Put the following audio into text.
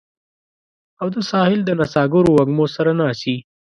او د ساحل د نڅاګرو وږمو سره ناڅي